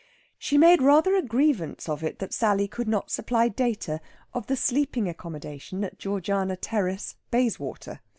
She made rather a grievance of it that Sally could not supply data of the sleeping accommodation at Georgiana Terrace, Bayswater.